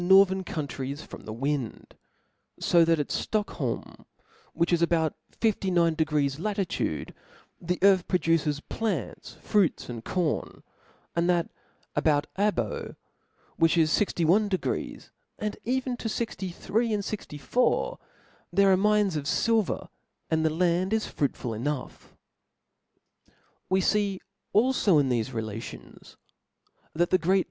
northern countries from the *f wind i fo that at Stockholm, which is about f^ fifty«ninc degrees latitude, the earth produces ^'plants, fruits, and corn; and that about Abo, " which is fixty one degrees, and even to fixty *' three and fixty four, diere are mines of filver, •* and the land is fruitful enough. ? We fee alio in thefe relations, *' that Great